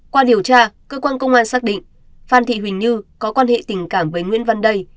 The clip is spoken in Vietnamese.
qua điều tra cơ quan công an xác định phan thị huỳnh như có quan hệ tình cảm với nguyễn văn đây